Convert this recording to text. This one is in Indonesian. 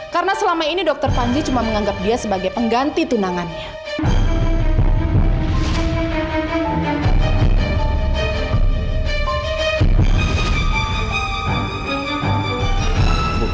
karena selama ini dokter panji cuma menganggap dia sebagai pengganti tunangannya